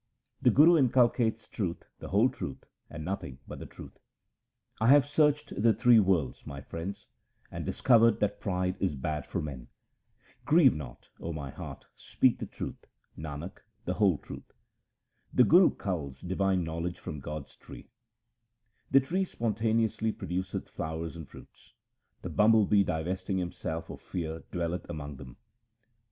The Guru inculcates truth, the whole truth, and nothing but the truth :— I have searched the three worlds, my friends, and dis covered that pride is bad for men. Grieve not, O my heart, speak the truth, Nanak, the whole truth. The Guru culls divine knowledge from God's tree :— The tree spontaneously produceth flowers and fruits ; 236 THE SIKH RELIGION the bumble bee divesting himself of fear dwelleth among them.